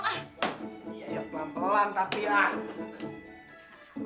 iya pelan pelan tapi ah